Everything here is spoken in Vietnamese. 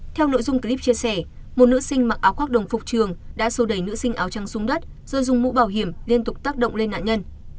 theo nội dung clip chia sẻ một nữ sinh mặc áo khoác đồng phục trường đã sô đẩy nữ sinh áo trắng xuống đất rồi dùng mũ bảo hiểm liên tục tác động lên nạn nhân